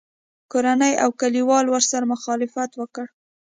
کورنۍ او کلیوالو ورسره مخالفت وکړ